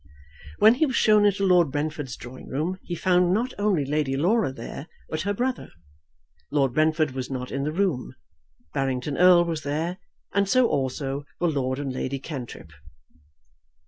When he was shown into Lord Brentford's drawing room he found not only Lady Laura there, but her brother. Lord Brentford was not in the room. Barrington Erle was there, and so also were Lord and Lady Cantrip.